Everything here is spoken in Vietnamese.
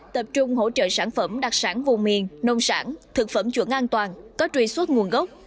tập trung hỗ trợ sản phẩm đặc sản vùng miền nông sản thực phẩm chuẩn an toàn có truy xuất nguồn gốc